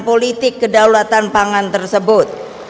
politik kedaulatan pangan tersebut